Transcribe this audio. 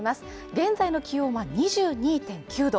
現在の気温は２２．９度